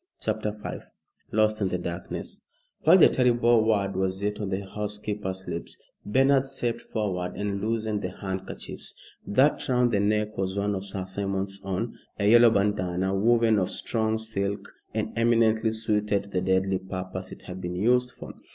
CHAPTER V LOST IN THE DARKNESS While the terrible word was yet on the housekeeper's lips, Bernard stepped forward and loosened the handkerchiefs. That round the neck was one of Sir Simon's own, a yellow bandana woven of strong silk, and eminently suited to the deadly purpose it had been used for.